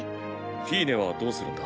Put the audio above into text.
フィーネはどうするんだ？